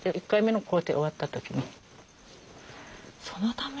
そのため？